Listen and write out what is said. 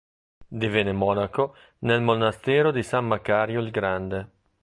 Divenne monaco nel monastero di San Macario il Grande.